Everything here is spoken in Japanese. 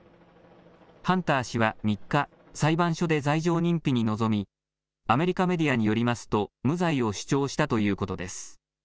ハンター氏は３日、裁判所で罪状認否に臨みアメリカメディアによりますと無罪を主張したということです。